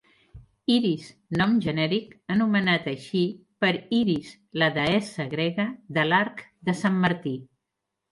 Iris: nom genèric anomenat així per Iris la deessa grega de l'arc de Sant Martí.